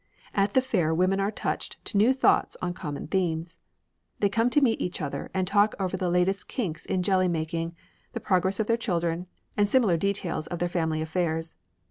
At the fair women are touched to new thoughts on common themes. They come to meet each other and talk over the latest kinks in jelly making, the progress of their children, and similar details of their family affairs.